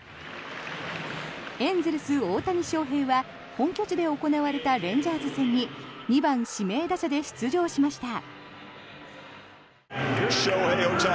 エンゼルス、大谷翔平は本拠地で行われたレンジャーズ戦に２番指名打者で出場しました。